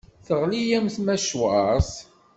Teɣli-yam tmacwart.